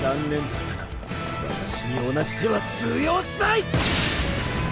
わたしに同じ手は通用しない！